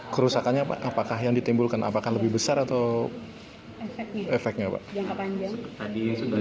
kerusakannya pak apakah yang ditimbulkan apakah lebih besar atau efeknya pak